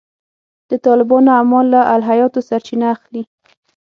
د طالبانو اعمال له الهیاتو سرچینه اخلي.